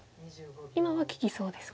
今は利きそうですか。